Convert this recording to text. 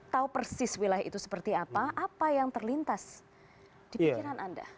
tahu persis wilayah itu seperti apa apa yang terlintas di pikiran anda